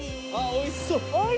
おいしそう。